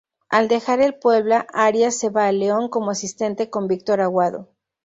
Al dejar El Puebla Arias se va a León como asistente con Víctor Aguado.